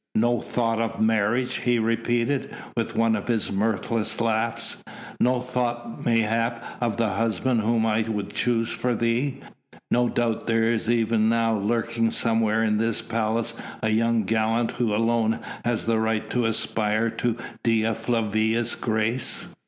"No thought of marriage?" he repeated, with one of his mirthless laughs, "no thought, mayhap, of the husband whom I would choose for thee? No doubt there is even now lurking somewhere in this palace a young gallant who alone has the right to aspire to Dea Flavia's grace."